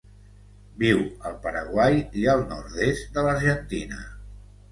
Viu al Paraguai i el nord-est de l'Argentina.